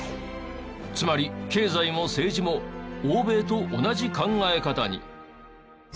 つまり経済も政治も欧米と同じ考え方に。